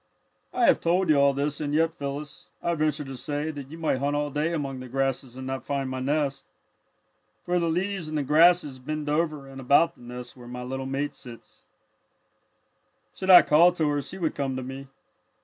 "I have told you all this, and yet, Phyllis, I venture to say that you might hunt all day among the grasses and not find my nest. For the leaves and the grasses bend over and about the nest where my little mate sits. "Should I call to her she would come to me.